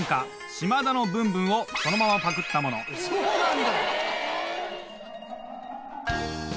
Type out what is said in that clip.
そうなんだ。